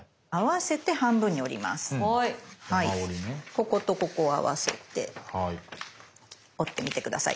こことここを合わせて折ってみて下さい。